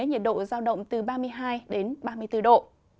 nhiệt độ giao động từ ba mươi hai ba mươi bốn độ